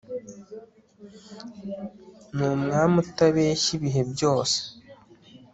ni umwami utabeshya ibihe byose